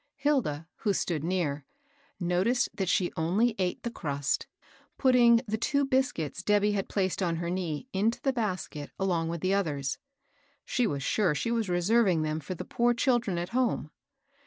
Hilda, who stood near, noticed that she only eat the crust, putting the two biscuits Debby had placed on her knee into the basket along with the others. She was sure she was reserving them for the poor children at home.